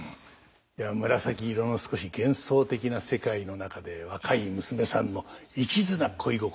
いや紫色の少し幻想的な世界の中で若い娘さんの一途な恋心